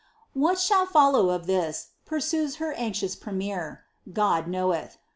■What shall follow of this," pursues hor anxious premier, " Go<l knoweih. F.'